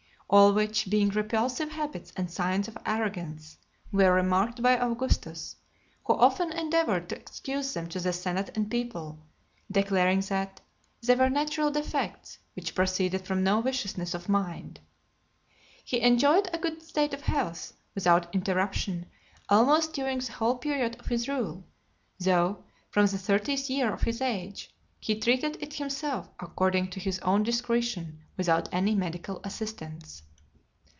All which, being repulsive habits and signs of arrogance, were remarked by Augustus, who often endeavoured to excuse them to the senate and people, declaring that "they were natural defects, which proceeded from no viciousness of mind." He enjoyed a good state of health, without interruption, almost during the whole period of his rule; though, from the thirtieth year of his age, he treated it himself according to his own discretion, without any medical assistance.